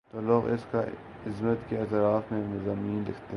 تو لوگ اس کی عظمت کے اعتراف میں مضامین لکھتے ہیں۔